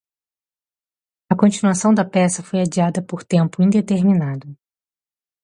A continuação da peça foi adiada por tempo indeterminado.